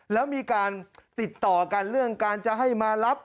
แล้วมีการติดต่อกันเรื่องการจะให้มารับ